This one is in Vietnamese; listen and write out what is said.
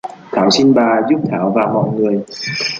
thảo xin bà đã giúp thảo và mọi người